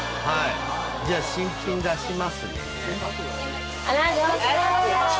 じゃあ新品出しますね。